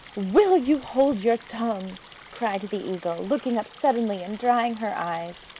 "Will you hold your tongue!" cried the Eagle, looking up suddenly and drying her eyes.